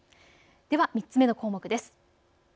では３つ目の項目です。